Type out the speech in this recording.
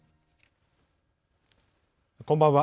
こんばんは。